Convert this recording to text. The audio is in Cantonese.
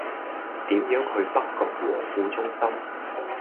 點樣去北角和富中心